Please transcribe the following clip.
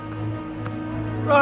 lo mau kemana